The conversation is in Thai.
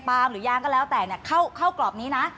ปลามหรือยางก็แล้วแต่เนี่ยเข้ากรอบนี้นะ